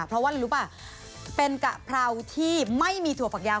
เพราะว่าอะไรรู้ป่ะเป็นกะเพราที่ไม่มีถั่วฝักยาว